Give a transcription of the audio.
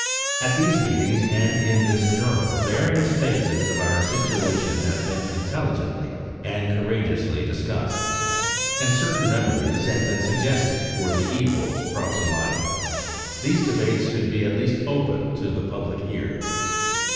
At these meetings and in this journal various phases of our situation have been intelligently and courageously discussed, and certain remedies have been suggested for the evils brought to light. These debates should at least open the public ear.